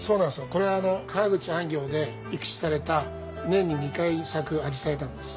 これは川口安行で育種された年に２回咲くアジサイなんです。